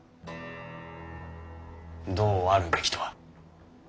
どうあるべきとは？